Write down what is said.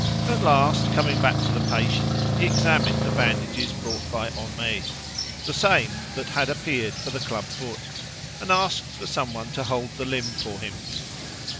At last, coming back to the patient, he examined the bandages brought by Homais, the same that had appeared for the club foot, and asked for someone to hold the limb for him.